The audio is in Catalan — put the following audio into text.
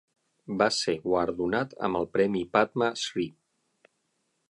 Va ser guardonat amb el premi Padma Shri.